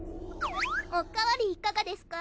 おかわりいかがですか？